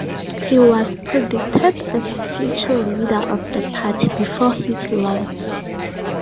He was predicted as a future leader of the party before his loss.